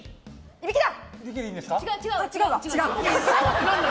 いびきだ！